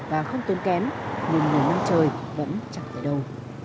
và không tốn kém nhìn người mang chơi vẫn chẳng thể đâu